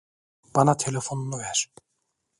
Bana telefonunu ver.